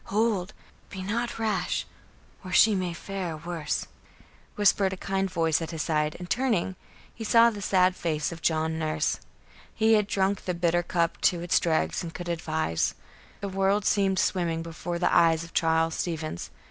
Hold! Be not rash, or she may fare worse," whispered a kind voice at his side, and, turning, he saw the sad face of John Nurse. He had drunk the bitter cup to its dregs and could advise. The world seemed swimming before the eyes of Charles Stevens.